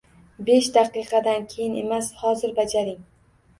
Besh daqiqadan keyin emas, hozir bajaring!